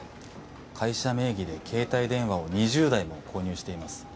会社名義で携帯電話を２０台も購入しています。